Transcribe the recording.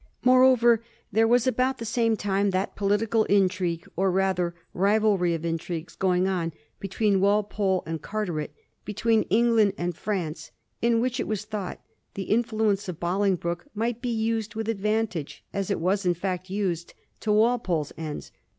Moreover, there was about the same time that political intrigue, or rather rivalry of intrigues, going on between Walpole and Carteret, between England and France, in which it was thought the influence of Bolingbroke might be used with advantage — as it was, in fact, used — ^to Walpole's ends.